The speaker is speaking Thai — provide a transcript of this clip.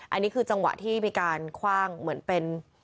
อันนี้คือจังหวะที่มีการคว่างเหมือนเป็น